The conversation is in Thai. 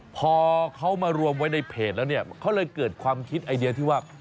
พอเขามารวมไว้ในเพจแล้วเนี่ยเขาเลยเกิดความคิดไอเดียที่ว่า